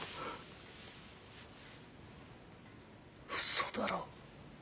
嘘だろ。